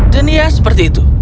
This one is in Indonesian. dan iya seperti itu